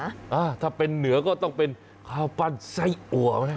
อ่าถ้าเป็นเหนือก็ต้องเป็นข้าวปั้นไส้อัวไหม